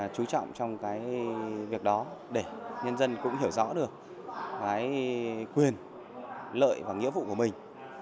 chú trọng trong việc đó để nhân dân cũng hiểu rõ được quyền lợi và nghĩa vụ của mình